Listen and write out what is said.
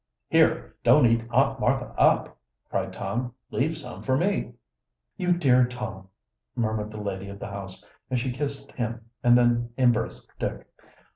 "Here, don't eat Aunt Martha up!" cried Tom. "Leave some for me." "You dear Tom!" murmured the lady of the house, as she kissed him and then embraced Dick.